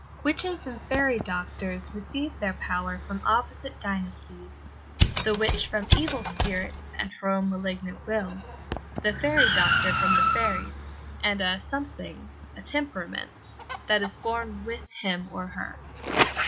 Witches and fairy doctors receive their power from opposite dynasties; the witch from evil spirits and her own malignant will; the fairy doctor from the fairies, and a something a temperament that is born with him or her.